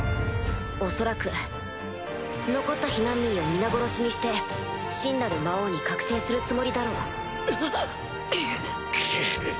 恐らく残った避難民を皆殺しにして真なる魔王に覚醒するつもりだろう。